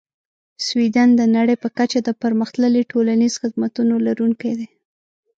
سویدن د نړۍ په کچه د پرمختللې ټولنیزې خدمتونو لرونکی دی.